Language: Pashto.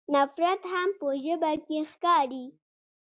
نفرت هم په ژبه کې ښکاري.